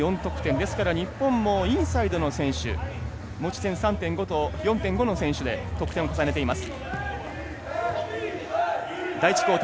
ですから日本もインサイドの選手持ち点３．５と４．５の選手で得点を重ねています。